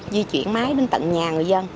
di chuyển máy đến tận nhà người dân